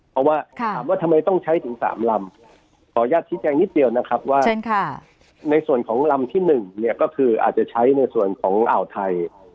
เพราะว่าถามว่าทำไมต้องใช้ถึง๓ลำขออนุญาตชี้แจงนิดเดียวนะครับว่าในส่วนของลำที่๑เนี่ยก็คืออาจจะใช้ในส่วนของอ่าวไทย